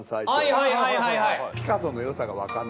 はいはいはいはい。